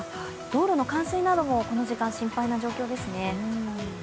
道路の冠水などもこの時間、心配な状況ですね。